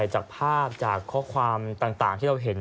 จากภาพจากข้อความต่างที่เราเห็น